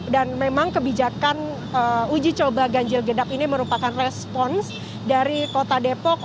dan memang kebijakan uji coba ganjil gedap ini merupakan respons dari kota depok